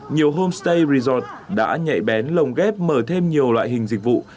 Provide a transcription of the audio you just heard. nhiều homestay resort đã nhạy bén lồng ghép mở thêm nhiều loại hình dịch vụ